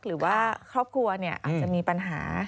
หรือว่าครอบครัวอาจจะมีปัญหา